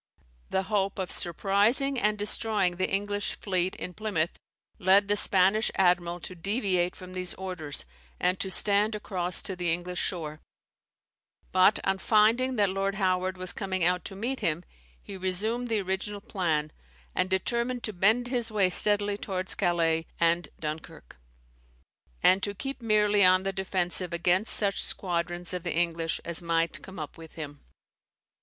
The hope of surprising and destroying the English fleet in Plymouth, led the Spanish admiral to deviate from these orders, and to stand across to the English shore; but, on finding that Lord Howard was coming out to meet him, he resumed the original plan, and determined to bend his way steadily towards Calais and Dunkirk, and to keep merely on the defensive against such squadrons of the English as might come up with him.